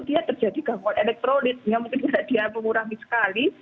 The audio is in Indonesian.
dia terjadi gangguan elektrolit mungkin dia mengurangi sekali